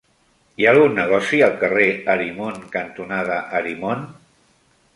Hi ha algun negoci al carrer Arimon cantonada Arimon?